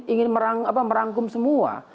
ingin merangkum semua